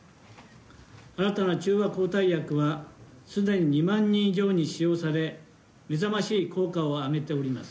新たな中和抗体薬は、すでに２万人以上に使用され、目覚ましい効果を上げております。